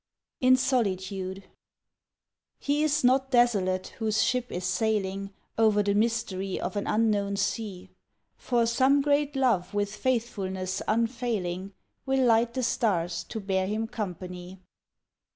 IN SOLITUDE He is not desolate whose ship is sailing Over the mystery of an unknown sea, For some great love with faithfulness unfailing Will light the stars to bear him company.